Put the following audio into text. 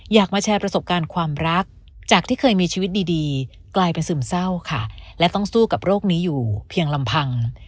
อยากมาแชร์ประสบการณ์ความรักจากที่เคยมีชีวิตดีกลายเป็นซึมเศร้าค่ะและต้องสู้กับโรคนี้อยู่เพียงลำพัง